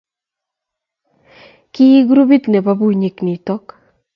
kii grupit nebo bunyik noto.